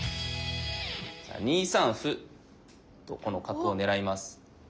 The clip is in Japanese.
２三歩とこの角を狙います。